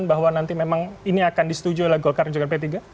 bahwa nanti memang ini akan disetujui oleh golkar dan juga p tiga